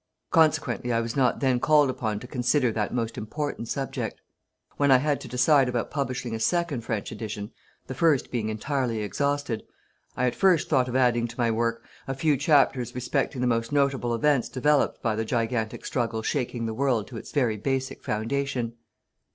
Consequently, I was not then called upon to consider that most important subject. When I had to decide about publishing a second French edition the first being entirely exhausted I at first thought of adding to my work a few chapters respecting the most notable events developed by the gigantic struggle shaking the world to its very basic foundation.